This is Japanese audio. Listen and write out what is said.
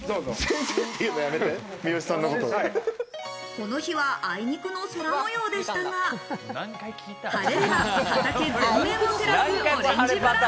この日は、あいにくの空模様でしたが、晴れれば畑全面を照らすオレンジ村。